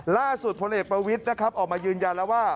พลเอกประวิทย์นะครับออกมายืนยันแล้วว่า